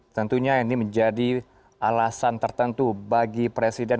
tentunya ini menjadi alasan tertentu bagi presiden